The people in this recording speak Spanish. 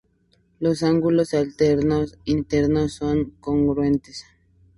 Los ángulos alternos internos son congruentes.